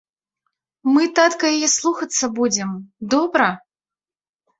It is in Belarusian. Мы, татка, яе слухацца будзем, добра?